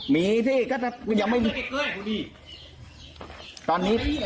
มีที่ก็จะยังไม่มี